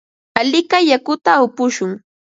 Alikay yakuta upushun.